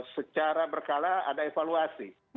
secara berkala ada evaluasi